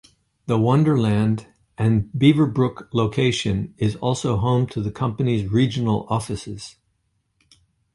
The Wonderland and Beaverbrook location is also home to the company's regional offices.